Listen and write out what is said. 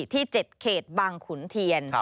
ที่๗เขตบางขุนเทียน